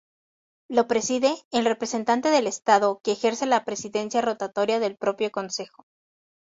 Lo preside el representante del Estado que ejerce la presidencia rotatoria del propio Consejo.